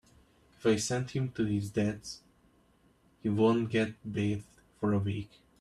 If I send him to his Dad’s he won’t get bathed for a week.